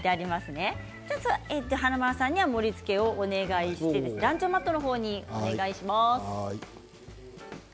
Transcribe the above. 華丸さんには盛りつけをお願いしてランチョンマットの方にお願いします。